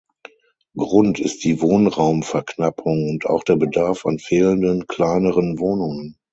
Grund ist die Wohnraumverknappung und auch der Bedarf an fehlenden kleineren Wohnungen.